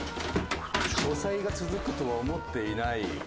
書斎が続くとは思っていない。